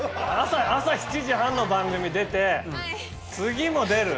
朝７時半の番組出て次も出る？